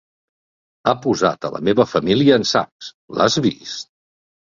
Ha posat a la meva família en sacs. L'has vist?